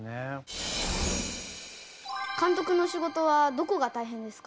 監督の仕事はどこが大変ですか？